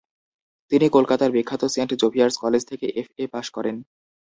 তিনি কলকাতার বিখ্যাত সেন্ট জোভিয়ার্স কলেজ থেকে এফ.এ. পাশ করেন।